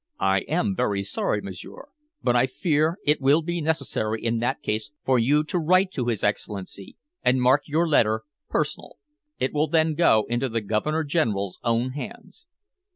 "I am very sorry, m'sieur, but I fear it will be necessary in that case for you to write to his Excellency, and mark your letter 'personal.' It will then go into the Governor General's own hands."